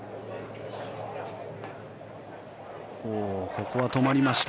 ここは止まりました。